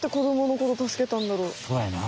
そうやな！